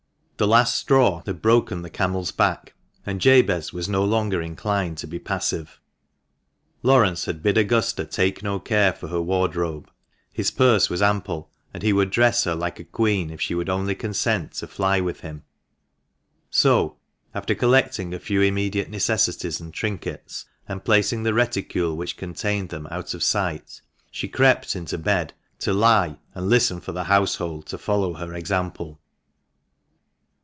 The last straw had broken the camel's back, and Jabez was no longer inclined to be passive. Laurence had bid Augusta take no care for her wardrobe ; his purse was ample, and he would dress her like a queen if she would only consent to fly with him. So, after collecting a few immediate necessaries and trinkets, and placing the reticule which contained them out of sight, she crept into bed, to lie and listen for the household to follow her example.